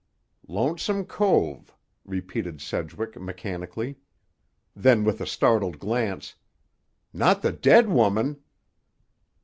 "Lonesome Cove," repeated Sedgwick mechanically. Then with a startled glance: "Not the dead woman!"